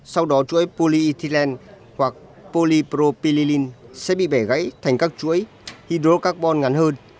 sau đó chuỗi polyethylene hoặc polypropylene sẽ bị bẻ gãy thành các chuỗi hydrocarbon ngắn hơn